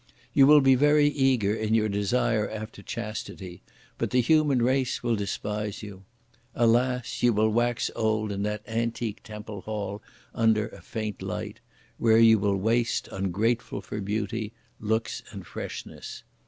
You will be very eager in your desire after chastity, but the human race will despise you! Alas, you will wax old in that antique temple hall under a faint light, where you will waste ungrateful for beauty, looks and freshness!